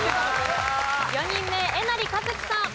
４人目えなりかずきさん。